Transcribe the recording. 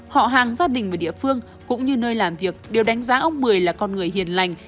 họ hàng gia đình người địa phương cũng như nơi làm việc đều đánh giá ông mười là con người hiền lành